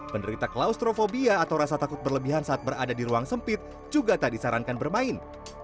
penderita klaustrofobia atau rasa takut berlebihan saat berada di ruang sempit juga tak disarankan bermain